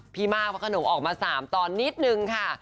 มากพระขนงออกมา๓ตอนนิดนึงค่ะ